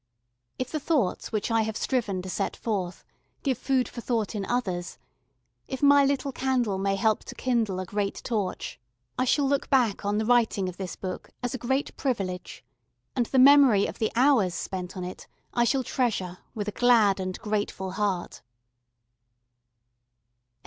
If the thoughts which I have striven to set forth give food for thought in others, if my little candle may help to kindle a great torch, I shall look back on the writing of this book as a great privilege and the memory of the hours spent on it I shall treasure with a glad and grateful heart.